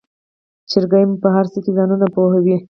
چرګې مو په هرڅه کې ځانونه پوهوي.